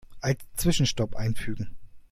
Als Zwischenstopp einfügen.